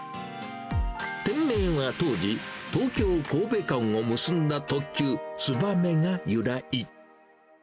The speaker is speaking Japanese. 店名は当時、東京・神戸間を結んだ特急燕が由来。